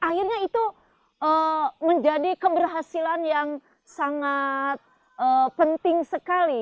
akhirnya itu menjadi keberhasilan yang sangat penting sekali